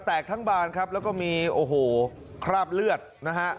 ทั้งบานครับแล้วก็มีโอ้โหคราบเลือดนะฮะ